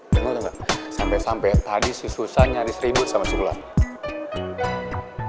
jangan lu tau gak sampe sampe tadi sususan nyaris ribut sama sulap